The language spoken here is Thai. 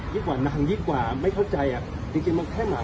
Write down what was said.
ยิ่งกว่านั่งยิ่งกว่าไม่เข้าใจอ่ะดิชัยมันแค่หมา